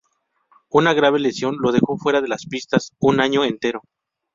Una grave lesión le dejó fuera de las pistas un año entero.